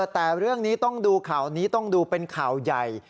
แต่เรื่องนี้ต้องดูข่าวนี้ต้องดูเป็นข่าวใหญ่